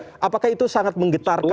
sudah ya apakah itu sangat menggetarkan